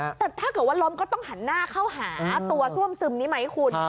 แต่ถ้าเกิดว่าล้มก็ต้องหันหน้าเข้าหาตัวซ่วมซึมนี้ไหมคุณ